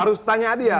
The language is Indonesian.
harus tanya adian